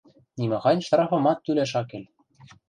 Нимахань штрафымат тӱлӓш ак кел.